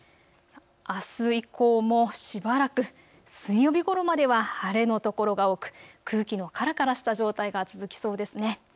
あす以降もしばらく水曜日ごろまでは晴れの所が多く空気のからからした状態が続きそうです。